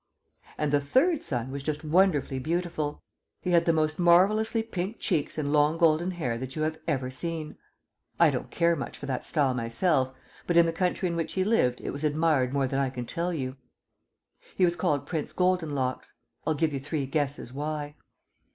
And the third son was just wonderfully beautiful. He had the most marvellously pink cheeks and long golden hair that you have ever seen. I don't much care for that style myself, but in the country in which he lived it was admired more than I can tell you. He was called Prince Goldenlocks. I'll give you three guesses why.